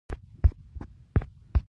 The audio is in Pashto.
ملالۍ د ميوند جگړه کې برخه اخيستې وه.